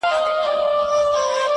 شپونکی چي نه سي ږغولای له شپېلۍ سندري٫